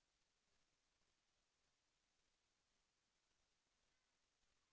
แสวได้ไงของเราก็เชียนนักอยู่ค่ะเป็นผู้ร่วมงานที่ดีมาก